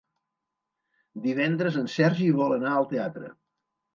Divendres en Sergi vol anar al teatre.